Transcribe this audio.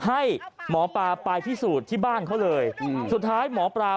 ให้หมอปลาไปพิสูจน์ที่บ้านเขาเลยอืมสุดท้ายหมอปลา